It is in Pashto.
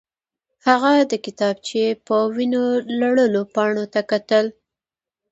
هغه د کتابچې په وینو لړلو پاڼو ته کتل